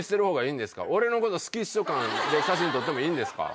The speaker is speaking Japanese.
俺のこと好きっしょ感で写真撮ってもいいんですか？